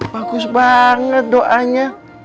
bagus banget doanya